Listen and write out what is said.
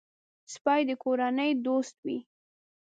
سپي د کورنۍ دوست وي.